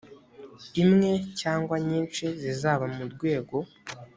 imwe cyangwa nyinshi zisaba mu rwego